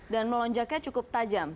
dan melonjaknya cukup tajam